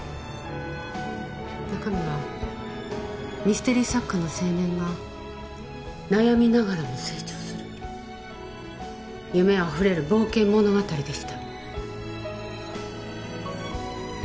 中身はミステリー作家の青年が悩みながらも成長する夢あふれる冒険物語でした。